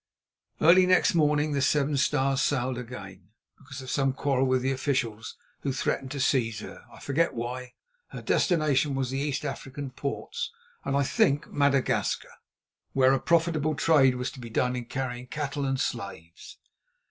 Early next morning the Seven Stars sailed again, because of some quarrel with the officials, who threatened to seize her—I forget why. Her destination was the East African ports and, I think, Madagascar, where a profitable trade was to be done in carrying cattle and slaves.